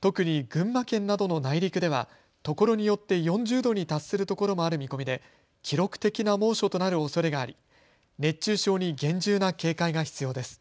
特に群馬県などの内陸ではところによって４０度に達するところもある見込みで記録的な猛暑となるおそれがあり、熱中症に厳重な警戒が必要です。